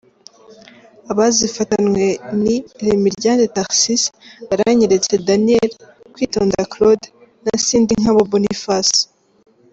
Abazifatanwe ni Remiryande Tharcisse, Baranyeretse Daniel, Kwitonda Claude na Sindinkabo Boniface.